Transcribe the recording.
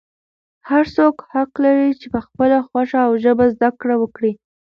هر څوک حق لري چې په خپله خوښه او ژبه زده کړه وکړي.